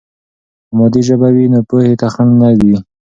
که مادي ژبه وي، نو پوهې ته خنډ نه وي.